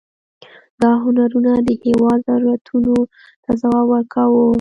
دا هنرونه د هېواد ضرورتونو ته ځواب ورکاوه.